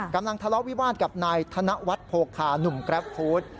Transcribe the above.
กำลังทะเลาะวิวาลกับนายธนวัฒน์โพคานุ่มแกรฟฟู้ด